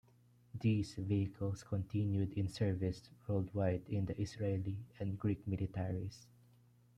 These vehicles continued in service worldwide in the Israeli and Greek militaries.